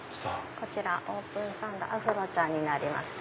こちらオープンサンドアフロちゃんになりますね。